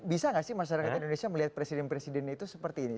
bisa nggak sih masyarakat indonesia melihat presiden presidennya itu seperti ini